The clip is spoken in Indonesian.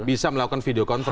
bisa melakukan video conference